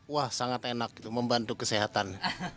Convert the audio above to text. wah sangat enak membantu kesehatan